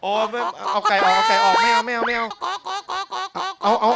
โอหี่เอาไก่ออกไม่เอา